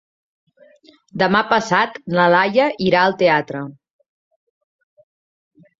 Demà passat na Laia irà al teatre.